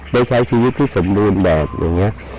ได้ใช้ชีวิตที่สมบูรณ์แบบอย่างนี้